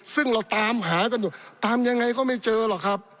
ซึ่งเราตามหากันอยู่ตามยังไงก็ไม่เจอหรอกครับ